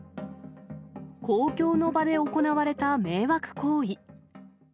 公共の場で行われた迷惑行為。